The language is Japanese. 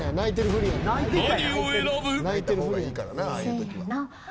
何を選ぶ。